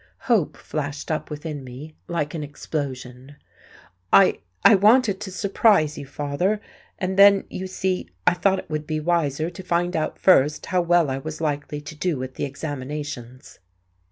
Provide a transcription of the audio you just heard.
Hope flashed up within me, like an explosion. "I I wanted to surprise you, father. And then, you see, I thought it would be wiser to find out first how well I was likely to do at the examinations."